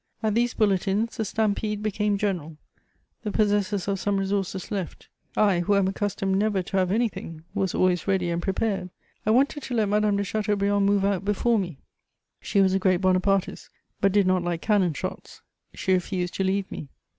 At these bulletins, the stampede became general: the possessors of some resources left; I, who am accustomed never to have anything, was always ready and prepared. I wanted to let Madame de Chateaubriand move out before me; she was a great Bonapartist, but did not like cannon shots: she refused to leave me.